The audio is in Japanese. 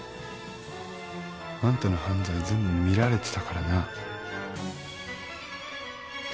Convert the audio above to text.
あんたの犯罪全部見られてたからな。